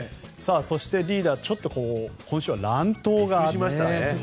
そして、リーダー今週は乱闘がありましたね。